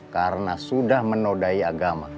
karena sudah menodai agama